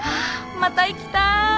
また行きたい